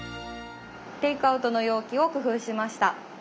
テイクアウトの容器を工夫しました。